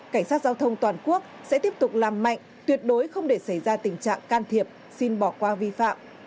cảnh sát giao thông toàn quốc sẽ tiếp tục làm mạnh tuyệt đối không để xảy ra tình trạng can thiệp xin bỏ qua vi phạm